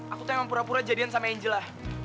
aku tuh yang mempura pura jadian sama angela